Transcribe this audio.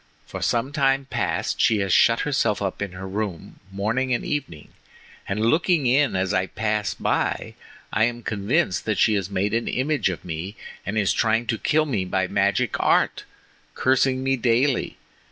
For some time past she has shut herself up in her room morning and evening, and looking in as I pass by, I am convinced that she has made an image of me and is trying to kill me by magic art, cursing me daily.